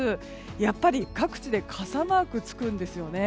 やっぱり各地で傘マークがつくんですよね。